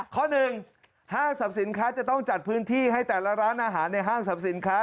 ข้อหนึ่งห้างสรรพสินค้าจะต้องจัดพื้นที่ให้แต่ละร้านอาหารในห้างสรรพสินค้า